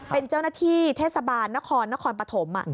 เป็นเจ้าหน้าที่เทศบาลนครนครปฐม